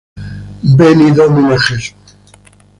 Veni, Domine Jesu!